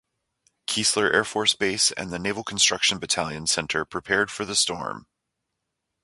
Keesler Air Force Base and the Naval Construction Battalion Center prepared for the storm.